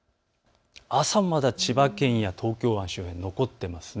朝はまだ千葉県、東京湾周辺、残っています。